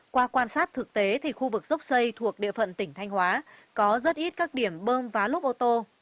qua quan sát thực tế thì khu vực dốc xây thuộc địa phận tỉnh thanh hóa có rất ít các điểm bơm vá lốp ô tô